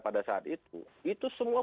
pada saat itu itu semua